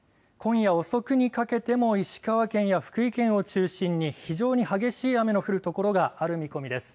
今夜、遅くにかけても石川県や福井県を中心に非常に激しい雨の降る所がある見込みです。